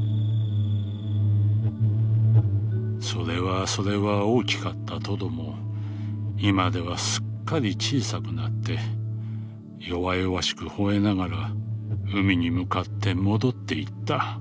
「それはそれは大きかったトドも今ではすっかり小さくなって弱々しく吠えながら海に向かって戻っていった」。